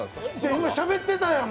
今しゃべってたやん